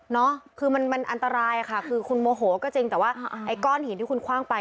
คือมันมันอันตรายค่ะคือคุณโมโหก็จริงแต่ว่าไอ้ก้อนหินที่คุณคว่างไป